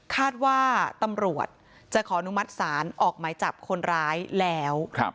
คาดว่าตำรวจจะขออนุมัติศาลออกหมายจับคนร้ายแล้ว